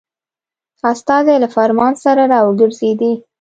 استازی له فرمان سره را وګرځېدی.